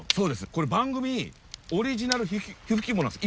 これ番組オリジナル火吹き棒なんです。